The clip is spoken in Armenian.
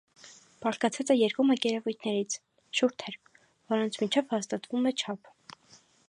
Բաղկացած է երկու մակերևույթներից (շուրթեր), որոնց միջև հաստատվում է չափը։